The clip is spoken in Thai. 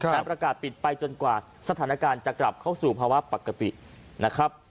ประกาศปิดไปจนกว่าสถานการณ์จะกลับเข้าสู่ภาวะปกตินะครับ